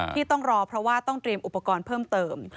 ที่ต้องรอเพราะว่าต้องเตรียมอุปกรณ์เพิ่มเติม